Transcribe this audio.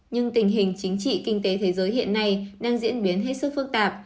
nhưng tình hình chính trị kinh tế thế giới hiện nay đang diễn biến hết sức phức tạp